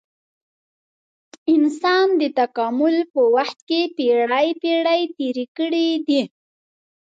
انسان د تکامل په وخت کې پېړۍ پېړۍ تېرې کړې دي.